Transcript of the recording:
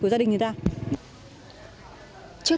trước thực trạng người dân còn chủ quan